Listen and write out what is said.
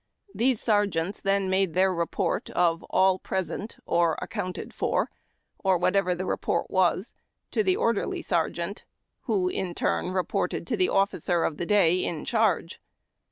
These sergeants then made their report of " all present or accounted for," or whatever the report was, to the orderly sergeant, who, in turn, reported to the officer of the day in charge.